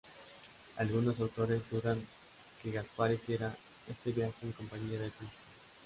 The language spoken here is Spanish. Algunos autores dudan que Gaspar hiciera este viaje en compañía del príncipe.